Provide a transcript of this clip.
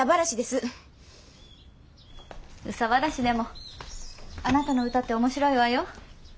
憂さ晴らしでもあなたの歌って面白いわよ。